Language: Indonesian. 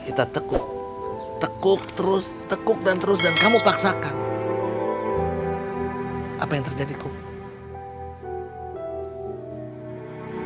kita teguk teguk terus teguk dan terus dan kamu paksakan apa yang terjadi kum